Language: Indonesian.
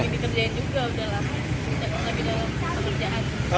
lagi dikerjain juga udah lah